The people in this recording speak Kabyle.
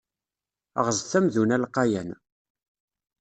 Ɣzet amdun alqayan.